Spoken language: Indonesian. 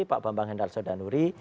pak bambang hendar sodanuri